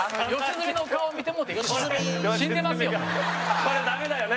田中：これ、ダメだよね。